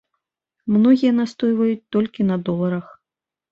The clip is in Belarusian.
Многія настойваюць толькі на доларах.